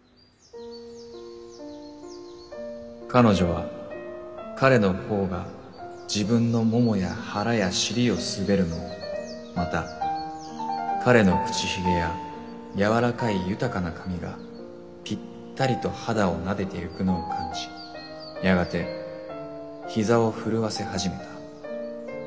「彼女は彼の頬が自分の腿や腹や尻を滑るのをまた彼の口髭や柔らかい豊かな髪がぴったりと肌を撫でてゆくのを感じやがて膝を震わせ始めた。